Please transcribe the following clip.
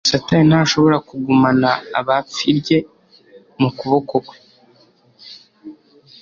Satani ntashobora kugumana abapfirye mu kuboko kwe,